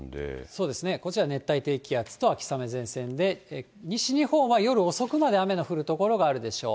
そうですね、こちら、熱帯低気圧と秋雨前線で、西日本は夜遅くまで雨の降る所があるでしょう。